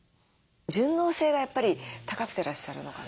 順応性がやっぱり高くてらっしゃるのかな？